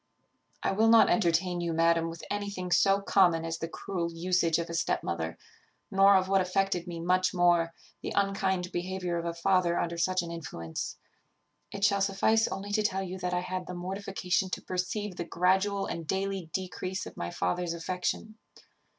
"I will not entertain you, madam, with anything so common as the cruel usage of a step mother; nor of what affected me much more, the unkind behaviour of a father under such an influence. It shall suffice only to tell you that I had the mortification to perceive the gradual and daily decrease of my father's affection.